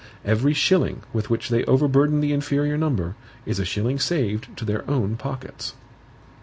Every shilling with which they overburden the inferior number, is a shilling saved to their own pockets.